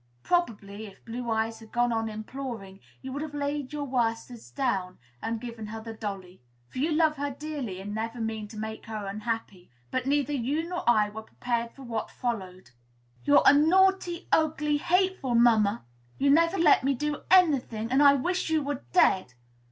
Probably, if Blue Eyes had gone on imploring, you would have laid your worsteds down, and given her the dolly; for you love her dearly, and never mean to make her unhappy. But neither you nor I were prepared for what followed. "You're a naughty, ugly, hateful mamma! You never let me do any thing, and I wish you were dead!"